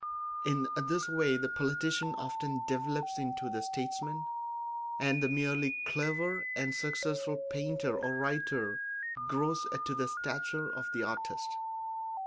In this way the politician often develops into the statesman, and the merely clever and successful painter or writer grows to the stature of the artist.